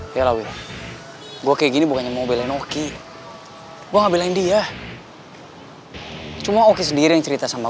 gue kayak gini bukan mau belain oke gua ngambilin dia cuma oke sendiri cerita sama